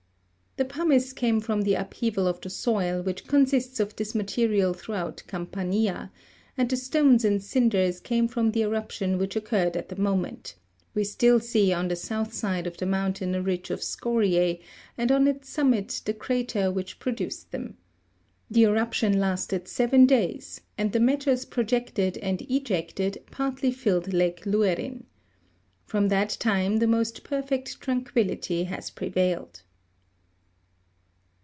The pumice came froifr the upheaval of the soil, which consists of this material throughout Campa'riia ; and the stones and cinders came from the eruption which occurred at the moment : we still see on the south side of the mountain a ridge of scoriae, and on its summit the crater which produced them. The eruption lasted seven days, and the matters projected and ejected partly filled Lake Lucrin. From that time the most perfect tranquillity has prevailed.